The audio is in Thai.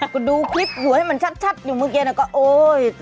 ก็ดูคลิปหัวให้มันชัดอยู่เมื่อกี้ก็โอ๊ย